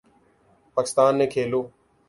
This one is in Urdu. پاکستان نے کھیلو